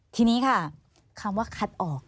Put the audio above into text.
ทีนี้ค่ะคำว่าคัดออก